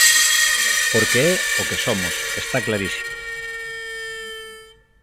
Porque é o que somos, está clarísimo.